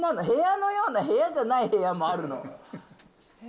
部屋のような部屋じゃない部屋もあるの。